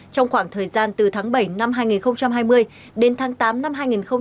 trong khoảng thời gian từ tháng bảy năm hai nghìn hai mươi đến tháng tám năm hai nghìn hai mươi